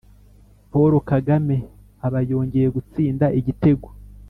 paul kagame aba yongeye gutsinda igitego